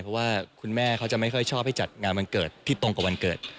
เพราะว่าคุณแม่เขาจะไม่ค่อยชอบให้จัดงานวันเกิดที่ตรงกับวันเกิด